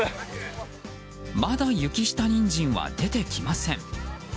まだ雪下ニンジンは出てきません。